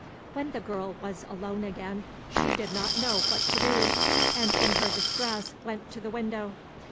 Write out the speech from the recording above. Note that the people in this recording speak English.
When the girl was alone again, she did not know what to do, and in her distress went to the window.